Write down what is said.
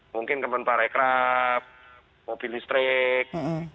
mungkin kementara ekrap mobil listrik